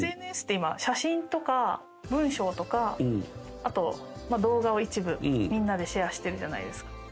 ＳＮＳって今、写真とか、文章とか、あと動画を一部、みんなでシェアしてるじゃないですか。